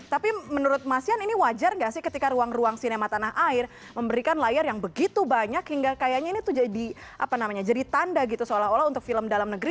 tapi menurut mas yan ini wajar gak sih ketika ruang ruang sinema tanah air memberikan layar yang begitu banyak hingga kayaknya ini tuh jadi apa namanya jadi tanda gitu seolah olah untuk film dalam negeri